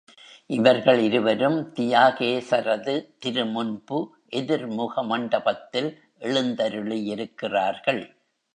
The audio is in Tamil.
இவர்கள் இருவரும், தியாகேசரது திருமுன்பு எதிர்முக மண்டபத்தில் எழுந்தருளியிருக்கிறார்கள்.